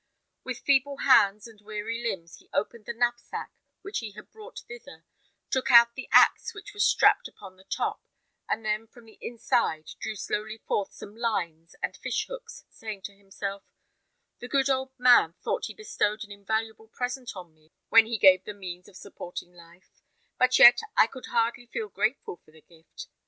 With feeble hands and weary limbs he opened the knapsack which he had brought thither, took out the axe which was strapped upon the top, and then from the inside drew slowly forth some lines and fish hooks, saying to himself, "The good old man thought he bestowed an invaluable present on me when he gave the means of supporting life, but yet I could hardly feel grateful for the gift.